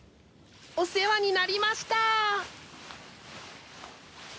お世話になりました。